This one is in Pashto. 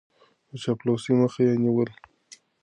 د چاپلوسۍ مخه يې نيوله.